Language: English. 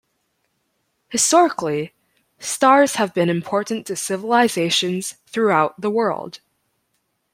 Historically, stars have been important to civilizations throughout the world.